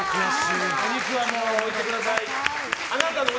お肉はもう置いてください。